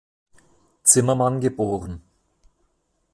Zimmermann" geboren.